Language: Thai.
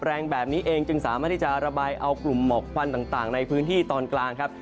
แรงแบบนี้เองจึงสามารถที่จะระบายเอากลุ่มหมอกควันต่างในพื้นที่ตอนกลางครับ